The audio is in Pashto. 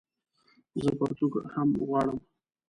زه پرتوګ هم غواړم